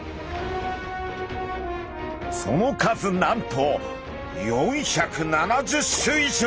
その数なんと４７０種以上！